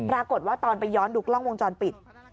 ปรากฏว่าตอนไปย้อนดูกล้องวงจรปิด